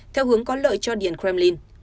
theo hướng có lợi cho điển kremlin